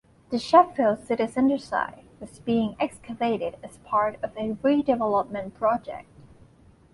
The Sheffield city centre site was being excavated as part of a redevelopment project.